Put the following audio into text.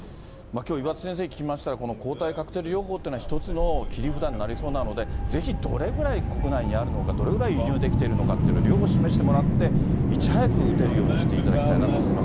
きょう岩田先生、聞きましたら、この抗体カクテル療法っていうのは、一つの切り札になりそうなので、ぜひどれぐらい国内にあるのか、どれぐらい輸入できてるのかっていう量を示していただいて、いち早く打てるようにしていただきたいなと思います。